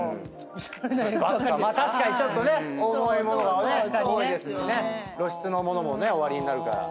確かにちょっとね重い物がね多いですしね露出の物もねおありになるから。